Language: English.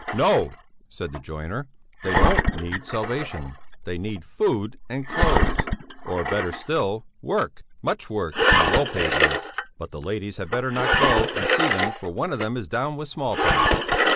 "No," said the joiner, "they don't need salvation, they need food and clothes, or, better still, work; much work and well paid work. But the ladies had better not go and see them, for one of them is down with small pox...."